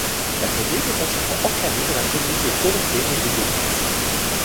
La commune est entièrement enclavée dans la commune de Colombey les Deux Églises.